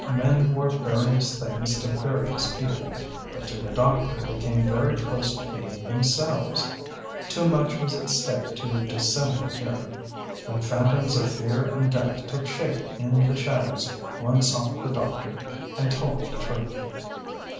Men were various things to various people, but to the doctor they came very close to being themselves. Too much was at stake to dissemble here. When phantoms of fear and death took shape in the shadows one sought the doctor and told the truth.